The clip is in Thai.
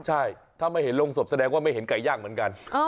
ใช่ถ้าไม่เห็นโรงศพแสดงว่าไม่เห็นไก่ย่างเหมือนกัน